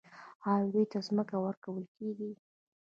آیا دوی ته ځمکه ورکول کیږي؟